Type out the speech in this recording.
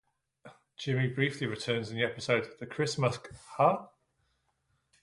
Jimmy briefly returns in the episode "The Chrismukk-huh?".